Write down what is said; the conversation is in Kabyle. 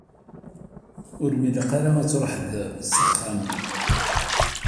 Ur m-ilaq ara ad truḥeḍ s axxam?